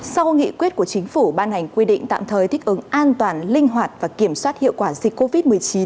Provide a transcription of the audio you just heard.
sau nghị quyết của chính phủ ban hành quy định tạm thời thích ứng an toàn linh hoạt và kiểm soát hiệu quả dịch covid một mươi chín